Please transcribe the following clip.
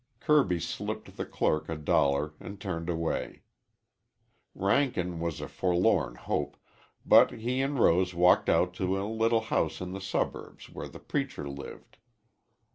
Kirby slipped the clerk a dollar and turned away. Rankin was a forlorn hope, but he and Rose walked out to a little house in the suburbs where the preacher lived.